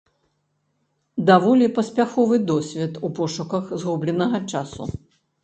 Даволі паспяховы досвед у пошуках згубленага часу.